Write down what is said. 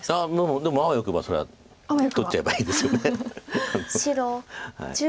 もうでもあわよくばそれは取っちゃえばいいですよね。